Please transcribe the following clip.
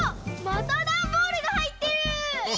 またダンボールがはいってる！